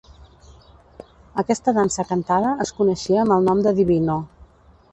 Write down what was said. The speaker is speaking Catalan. Aquesta dansa cantada es coneixia amb el nom de "Divino".